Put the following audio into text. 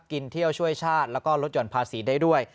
กินเที่ยวช่วยชาติแล้วก็ลดหย่อนภาษีได้ด้วย